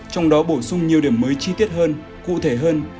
trong đó bổ sung nhiều điểm mới chi tiết hơn cụ thể hơn